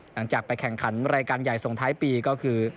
หลังจากไปแข่งขันรายการใหญ่ส่งท้ายปีก็คือ